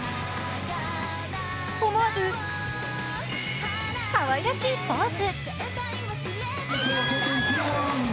思わず、かわいらしいポーズ。